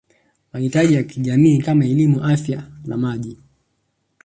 mahitaji ya kijamii kama elimu Afya Maji